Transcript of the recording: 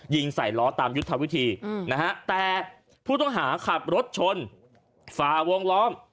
ยิงใส่ล้อตามยุทธวิธีนะฮะแต่ผู้ต้องหาขับรถชนฝ่าวงล้อม